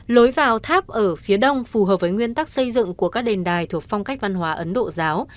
lối vào tháp ở phía đông phù hợp với nguyên tắc xây dựng của các đền đài thuộc phong cách văn hóa ấn độ giáo